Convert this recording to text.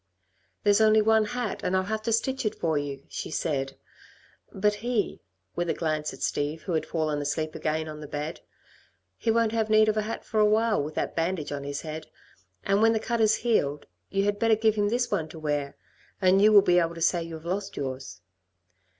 "There's only one hat, and I'll have to stitch it for you," she said, "but he" with a glance at Steve who had fallen asleep again on the bed "he won't have need of a hat for awhile with that bandage on his head, and when the cut is healed, you had better give him this one to wear, and you will be able to say you have lost yours."